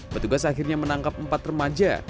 petugas akhirnya menangkap empat remaja